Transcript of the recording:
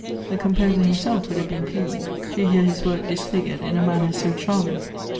The composer himself would have been pleased to hear his work dis fisrured in a manner so charming.